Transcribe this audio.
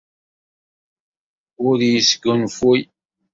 Ur yesgunfuy.